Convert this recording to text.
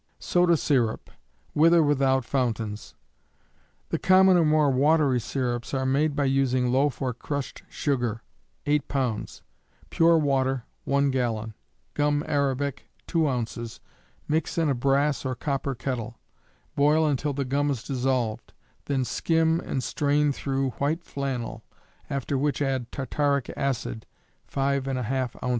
Soda Syrup, with or without Fountains. The common or more watery syrups are made by using loaf or crushed sugar, 8 pounds; pure water, 1 gallon, gum arabic, 2 ounces, mix in a brass or copper kettle; boil until the gum is dissolved, then skim and strain through white flannel, after which add tartaric acid, 5½ oz.